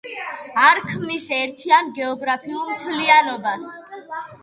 არ ქმნის ერთიან გეოგრაფიულ მთლიანობას.